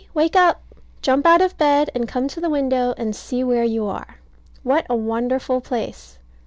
wake up. Jump out of bed, and come to the window, and see where you are. What a wonderful place!